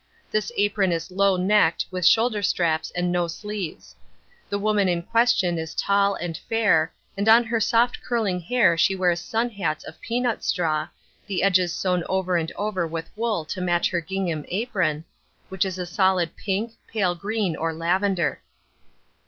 This apron is low necked with shoulder straps and no sleeves. The woman in question is tall and fair, and on her soft curling hair she wears sun hats of peanut straw, the edges sewn over and over with wool to match her gingham apron, which is a solid pink, pale green or lavender.